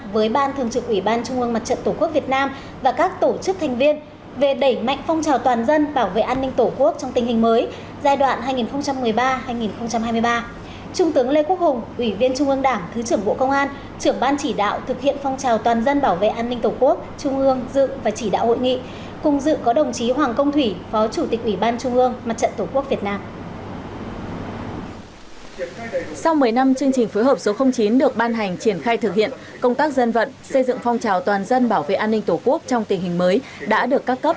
với ban thường trực ủy ban trung ương mặt trận tổ quốc việt nam và các tổ chức thành viên về đẩy mạnh phong trào toàn dân bảo vệ an ninh tổ quốc trong tình hình mới giai đoạn hai nghìn một mươi ba hai nghìn hai mươi ba